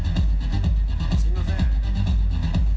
すみません。